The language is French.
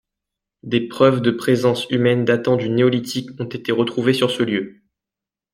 Des preuves de présence humaine datant du Néolithique ont été retrouvées sur ce lieu.